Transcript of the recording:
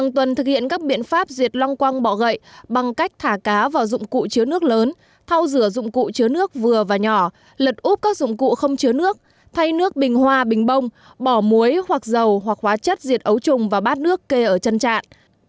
một tuần thực hiện các biện pháp diệt long quăng bọ gậy bằng cách thả cá vào dụng cụ chứa nước lớn thao rửa dụng cụ chứa nước vừa và nhỏ lật úp các dụng cụ không chứa nước thay nước bình hoa bình bông bỏ muối hoặc dầu hoặc hóa chất diệt ấu trùng và bát nước kê ở chân trạng